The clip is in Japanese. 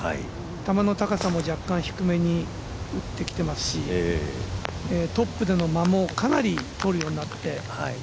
球の高さも低めに打ってきてますしトップでの間もかなりとるようになって。